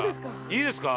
いいですか？